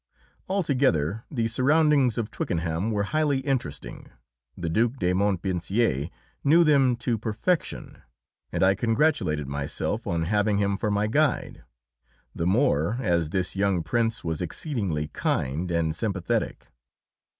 Altogether, the surroundings of Twickenham were highly interesting; the Duke de Montpensier knew them to perfection, and I congratulated myself on having him for my guide, the more as this young prince was exceedingly kind and sympathetic.